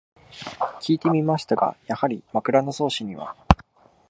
きいてみましたが、やはり「枕草子」には